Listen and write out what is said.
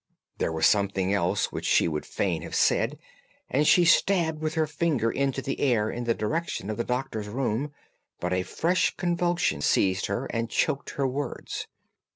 There was something else which she would fain have said, and she stabbed with her finger into the air in the direction of the Doctor's room, but a fresh convulsion seized her and choked her words.